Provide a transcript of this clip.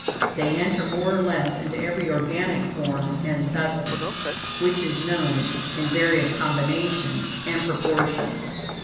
They enter more or less into every organic form and substance, which is known, in various combinations and proportions.